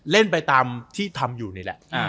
เล่นไปตามที่ทำอยู่นี่แหละ